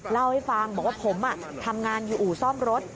เล่าให้ฟังบอกว่าผมทำงานอยู่อู่ซ่อมรถ